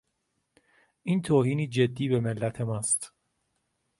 این توهینی جدی به ملت ماست.